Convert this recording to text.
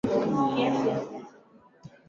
katika kisa kilichojulikana kama mchakato Mongoose